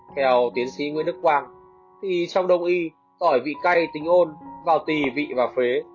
theo tiến sĩ nguyễn đức quang thì trong đông y tỏi vị cay tính ôn vào tì vị và phế